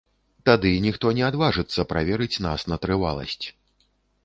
Тады ніхто не адважыцца праверыць нас на трываласць.